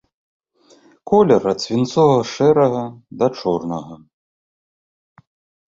Колер ад свінцова-шэрага да чорнага.